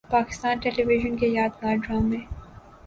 Pakistan television کے یادگار ڈرامے